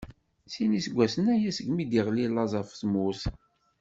Sin n iseggasen aya segmi i d-iɣli laẓ ɣef tmurt.